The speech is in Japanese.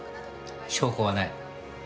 証拠はない。